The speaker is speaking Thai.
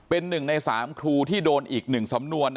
เป็น๑ใน๓ครูที่โดนอีก๑สำนวน